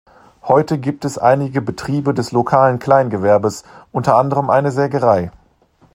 Heute gibt es einige Betriebe des lokalen Kleingewerbes, unter anderem eine Sägerei.